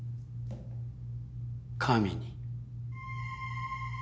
神に。